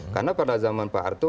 karena pada zaman pak ardo